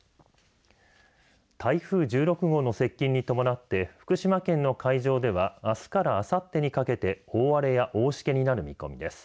台風１６号の接近に伴って福島県の海上ではあすからあさってにかけて大荒れや、大しけになる見込みです。